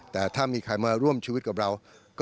แต่ถ้ามีใครมาร่วมชีวิตกับเรา